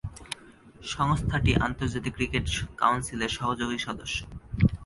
সংস্থাটি আন্তর্জাতিক ক্রিকেট কাউন্সিলের সহযোগী সদস্য।